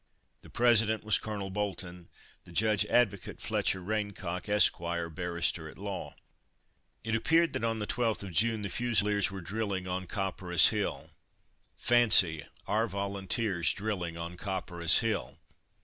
The president was Colonel Bolton; the judge advocate, Fletcher Raincock, Esq., barrister at law. It appeared that on the 12th of June the Fusiliers were drilling on Copperas hill (fancy our Volunteers drilling on Copperas hill!)